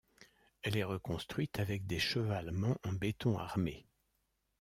Elle est reconstruite avec des chevalements en béton armé.